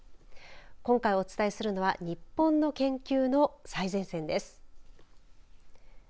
今回、お伝えするのは日本の研究の最前線です。